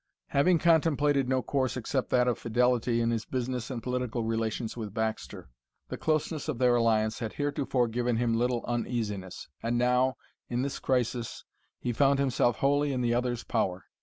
Having contemplated no course except that of fidelity in his business and political relations with Baxter, the closeness of their alliance had heretofore given him little uneasiness; and now, in this crisis, he found himself wholly in the other's power.